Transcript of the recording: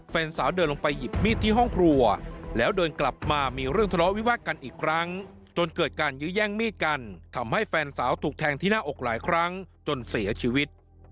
แฟนสาวเดินลงไปหยิบมีดที่ห้องครัวแล้วเดินกลับมามีเรื่องทะเลาะวิวาสกันอีกครั้งจนเกิดการยื้อแย่งมีดกันทำให้แฟนสาวถูกแทงที่หน้าอกหลายครั้งจนเสียชีวิต